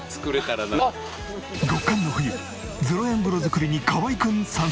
極寒の冬０円風呂作りに河合君参戦。